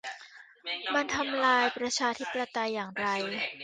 มันทำลายประชาธิปไตยอย่างไร